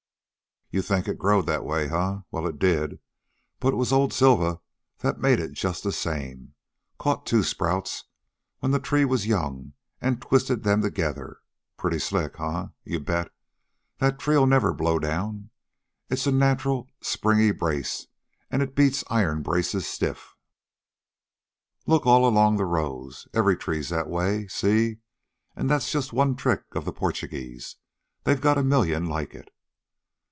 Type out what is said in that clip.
"You think it growed that way, eh? Well, it did. But it was old Silva that made it just the same caught two sprouts, when the tree was young, an' twisted 'em together. Pretty slick, eh? You bet. That tree'll never blow down. It's a natural, springy brace, an' beats iron braces stiff. Look along all the rows. Every tree's that way. See? An' that's just one trick of the Porchugeeze. They got a million like it.